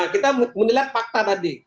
kita menilai fakta tadi